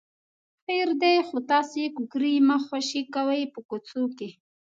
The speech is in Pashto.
خیر دی خو تاسې کوکری مه خوشې کوئ په کوڅو کې.